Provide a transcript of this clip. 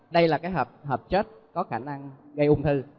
đây là hợp chất có khả năng gây ung thư